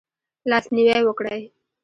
لاس نیوی وکړئ